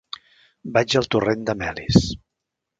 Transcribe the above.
Vaig al torrent de Melis.